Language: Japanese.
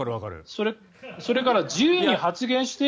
それから自由に発言。